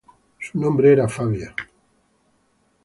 Su nombre era Fabia.